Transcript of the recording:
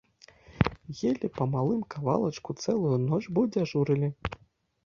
Елі па малым кавалачку цэлую ноч, бо дзяжурылі.